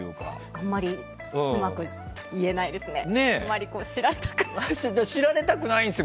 あんまりうまく言えないですね。